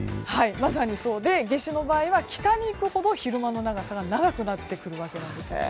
まさにそうで夏至の場合は北にいくほど昼の長さが長くなるんです。